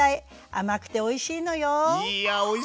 甘くておいしいのよ。